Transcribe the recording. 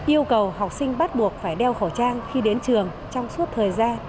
yêu cầu học sinh bắt buộc phải đeo khẩu trang khi đến trường trong suốt thời gian